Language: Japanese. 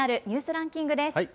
ニュースランキングです。